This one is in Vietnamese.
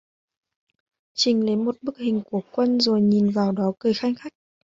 Trình lấy một bức hình của quân rồi nhìn vào đó cười khanh khách